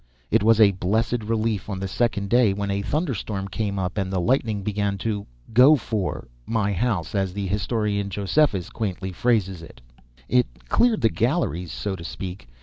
It was a blessed relief on the second day when a thunderstorm came up and the lightning began to "go for" my house, as the historian Josephus quaintly phrases it. It cleared the galleries, so to speak.